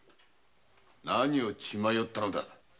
何を血迷ったのだ？